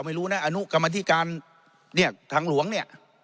ไม่รู้นะอนุกรรมธิการเนี่ยทางหลวงเนี่ย